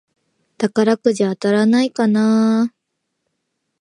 宝くじ当たらないかなぁ